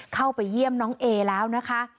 เข้าไปเยี่ยมน้องเอแล้วนะคะ